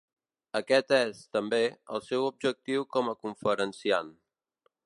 Aquest és, també, el seu objectiu com a conferenciant.